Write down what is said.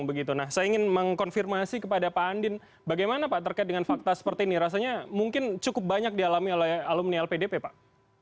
saya ingin mengkonfirmasi kepada pak andin bagaimana pak terkait dengan fakta seperti ini rasanya mungkin cukup banyak dialami oleh alumni lpdp pak